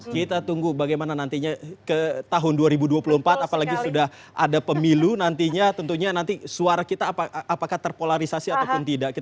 kita tunggu bagaimana nantinya ke tahun dua ribu dua puluh empat apalagi sudah ada pemilu nantinya tentunya nanti suara kita apakah terpolarisasi ataupun tidak